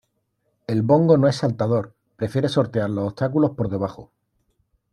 El bongo no es saltador, prefiere sortear los obstáculos por debajo.